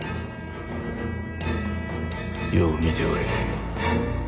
よう見ておれ